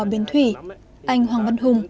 bến thủy anh hoàng văn hùng